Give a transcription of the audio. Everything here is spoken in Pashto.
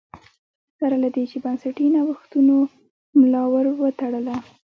سره له دې چې بنسټي نوښتونو ملا ور وتړله